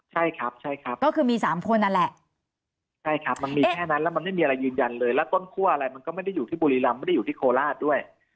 ใช่ครับใช่ครับก็คือมีสามคนนั่นแหละใช่ครับมันมีแค่นั้นแล้วมันไม่มีอะไรยืนยันเลยแล้วต้นคั่วอะไรมันก็ไม่ได้อยู่ที่บุรีรำไม่ได้อยู่ที่โคราชด้วย